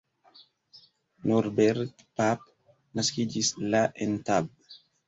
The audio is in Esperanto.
Norbert Pap naskiĝis la en Tab.